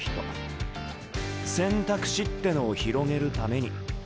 選択肢ってのを広げるために。